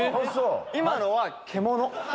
今のは獣。